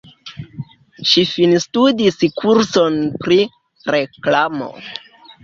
Ŝi finstudis kurson pri reklamo.